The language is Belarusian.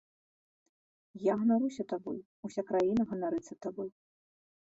Я ганаруся табой, уся краіна ганарыцца табой.